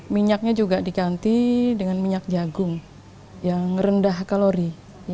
minyaknya juga diganti dengan minyak jagung yang rendah kalori